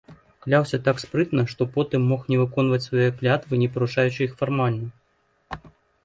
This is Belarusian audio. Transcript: Кляўся так спрытна, што потым мог не выконваць свае клятвы, не парушаючы іх фармальна.